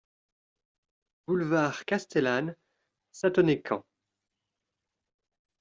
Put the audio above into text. Boulevard Castellane, Sathonay-Camp